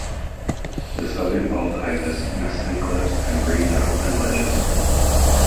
The southern bald ibis nests in cliffs and breeds on open ledges.